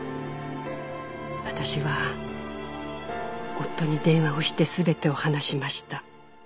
「私は夫に電話をして全てを話しました」